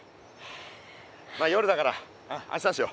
まあ夜だから明日にしよう。